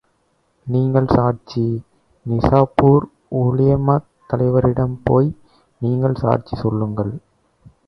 நீங்கள் சாட்சி, நிசாப்பூர் உலேமாத் தலைவரிடம் போய் நீங்கள் சாட்சி சொல்லுங்கள்.